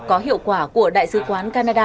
có hiệu quả của đại dự quán canada